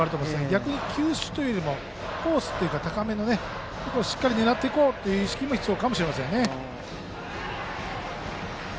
逆に球種というよりもコースというか高めをしっかり狙っていこうという意識も必要かもしれません。